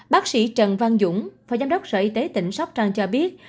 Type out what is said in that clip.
bác sĩ trần văn dũng phó giám đốc sở y tế tỉnh sóc trăng cho biết